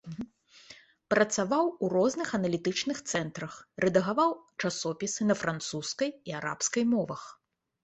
Працаваў у розных аналітычных цэнтрах, рэдагаваў часопісы на французскай і арабскай мовах.